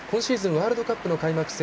ワールドカップの開幕戦